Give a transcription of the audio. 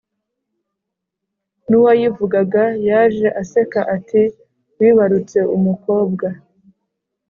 N’uwayivugaga yaje aseka ati Wibarutse umukobwa